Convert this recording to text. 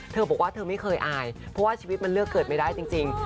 เธอบอกว่าเธอไม่เคยอายเพราะว่าชีวิตมันเลือกเกิดไม่ได้จริง